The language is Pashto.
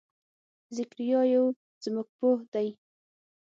ذکریا یو ځمکپوه دی.